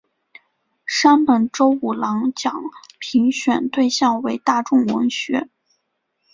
山本周五郎奖评选对象为大众文学。